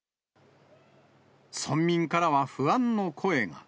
村民からは不安の声が。